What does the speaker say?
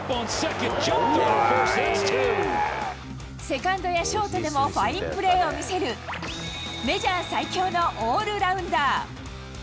セカンドやショートでもファインプレーを見せる、メジャー最強のオールラウンダー。